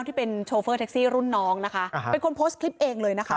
ที่เป็นโชเฟอร์แท็กซี่รุ่นน้องนะคะอ่าฮะเป็นคนเองเลยนะครับ